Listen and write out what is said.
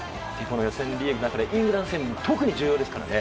予選リーグのイングランド戦特に重要ですからね。